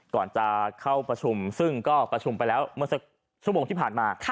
ก่อนจะเข้าประชุมซึ่งก็ประชุมไปแล้วเมื่อสักชั่วโมงที่ผ่านมา